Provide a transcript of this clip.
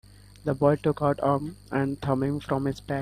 The boy took out Urim and Thummim from his bag.